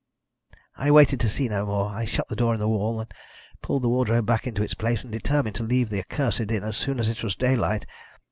"I waited to see no more. I shut the door in the wall, pulled the wardrobe back into its place and determined to leave the accursed inn as soon as it was daylight.